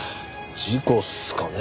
事故っすかね？